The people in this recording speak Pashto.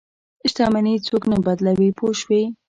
شتمني څوک نه بدلوي پوه شوې!.